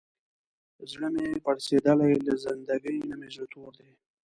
زړه مې پړسېدلی، له زندګۍ نه مې زړه تور دی.